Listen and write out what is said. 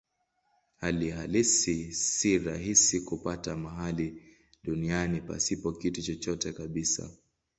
Hali halisi si rahisi kupata mahali duniani pasipo kitu chochote kabisa.